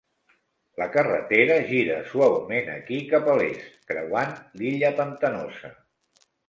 La carretera gira suaument aquí cap a l"est, creuant l"illa pantanosa.